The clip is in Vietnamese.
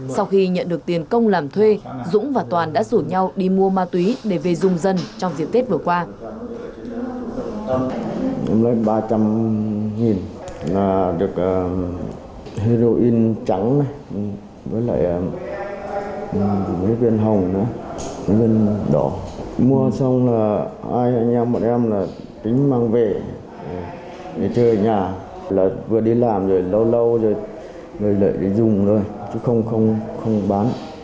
sau khi nhận được tiền công làm thuê dũng và toàn đã rủ nhau đi mua ma túy để về dùng dân trong diện tết vừa qua